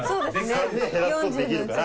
３ね減らすことできるから。